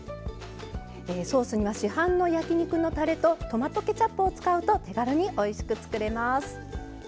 ソースには市販の焼き肉のたれとトマトケチャップを使うと手軽においしく作れます。